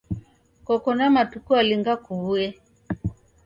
Koka na matuku alinga kuw'uye?